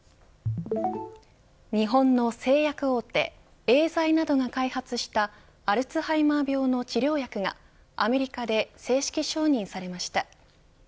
日本の製薬大手エーザイなどが開発したアルツハイマー病の治療薬がアメリカで正式承認されました。